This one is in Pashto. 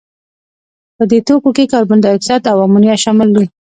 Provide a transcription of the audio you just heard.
په دې توکو کې کاربن دای اکساید او امونیا شامل دي.